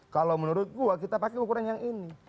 kalau menurut gua kita pakai ukuran yang ini